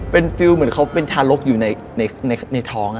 เป็นฟิลเหมือนเขาเป็นทารกอยู่ในท้อง